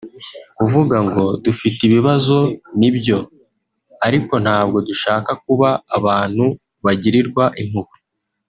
kuvuga ngo dufite ibibazo ni byo ariko ntabwo dushaka kuba abantu bagirirwa impuhwe